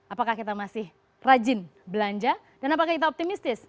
apakah kita masih rajin belanja dan apakah kita optimistis